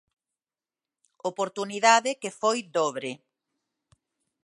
Oportunidade que foi dobre.